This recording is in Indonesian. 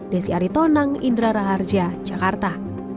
desi aritonang indra raharja jakarta